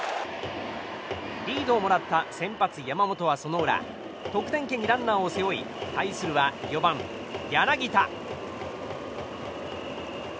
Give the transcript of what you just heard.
リードをもらった先発、山本はその裏得点圏にランナーを背負い対するは４番、柳田。